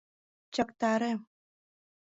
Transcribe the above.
Чактаре!